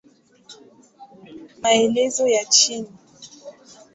Maelezo ya chini